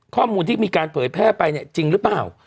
ข้อมูลที่มีการเผยแพร่ไปเนี่ยจริงหรือเปล่า